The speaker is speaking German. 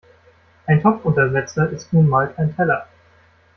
Ein Topfuntersetzer ist nun mal kein Teller.